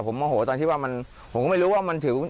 ผมโมโหตอนที่ว่ามันผมก็ไม่รู้ว่ามันถึง